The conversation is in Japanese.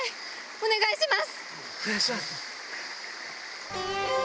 お願いします。